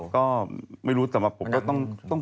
ก็ไม่รู้แต่ว่าผมก็ต้อง